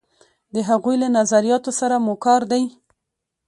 د هغوی له نظریاتو سره مو کار دی.